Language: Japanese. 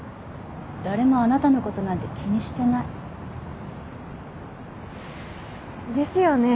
誰もあなたのことなんて気にしてない。ですよね。